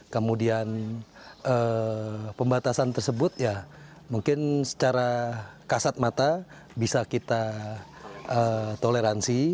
kemudian pembatasan tersebut ya mungkin secara kasat mata bisa kita toleransi